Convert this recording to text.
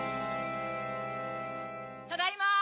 ・ただいま！